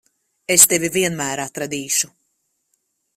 Es tevi vienmēr atradīšu.